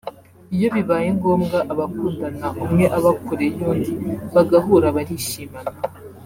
Iyo bibaye ngombwa abakundana umwe aba kure y’undi bagahura barishimana